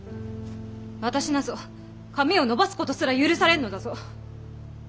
私なぞ髪を伸ばすことすら許されんのだぞ。